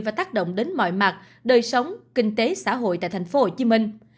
và tác động đến mọi mặt đời sống kinh tế xã hội tại thành phố hồ chí minh